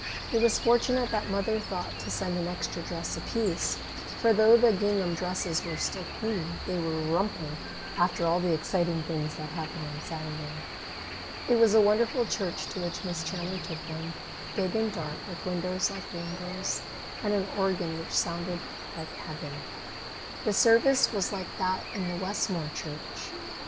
It was fortunate that Mother thought to send an extra dress apiece, for though the gingham dresses were still clean, they were rumpled after all the exciting things that happened on Saturday. It was a wonderful church to which Miss Chandler took them, big and dark, with windows like rainbows, and an organ which sounded like heaven. The service was like that in the Westmore church.